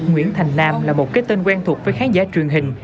nguyễn thành nam là một cái tên quen thuộc với khán giả truyền hình